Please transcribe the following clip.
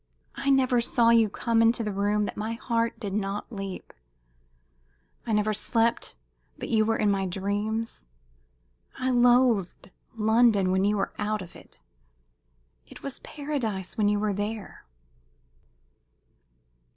I never saw you come into the room that my heart did not leap. I never slept but you were in my dreams. I loathed London when you were out of it. It was paradise when you were there."